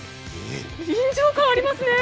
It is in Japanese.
臨場感ありますね！